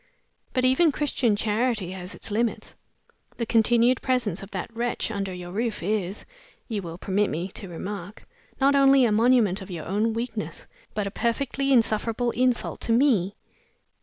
But even Christian Charity has its limits. The continued presence of that wretch under your roof is, you will permit me to remark, not only a monument of your own weakness, but a perfectly insufferable insult to Me."